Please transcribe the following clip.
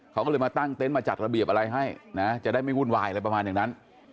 เขาก็เลยมาตั้งเต็นต์มาจัดระเบียบอะไรให้นะจะได้ไม่วุ่นวายอะไรประมาณอย่างนั้น